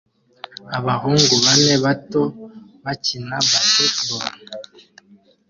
abahungu bane bato bakina basketball